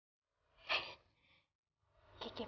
gak mau berangkat phobos di sini